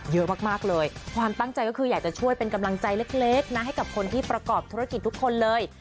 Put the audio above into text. เยอะมากเลยความตั้งใจก็คืออยากจะช่วยเป็นกำลังใจเล็กนะให้กับคนที่ประกอบธุรกิจทุกคนเลย